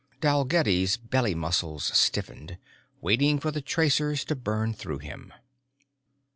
Dalgetty's belly muscles stiffened, waiting for the tracers to burn through him.